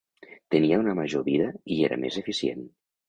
Tenia una major vida i era més eficient.